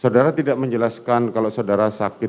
saudara tidak menjelaskan kalau saudara sakit